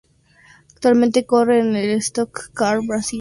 Actualmente corre en la Stock Car Brasil.